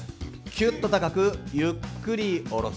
きゅっと高くゆっくり下ろす。